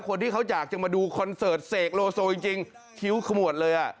คนที่เขาอยากจะมาดูคอนเสิร์ตเสกโลโซจริงคิ้วขมวดเลยอ่ะ